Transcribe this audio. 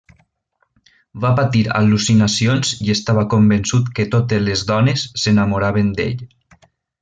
Va patir al·lucinacions i estava convençut que totes les dones s'enamoraven d'ell.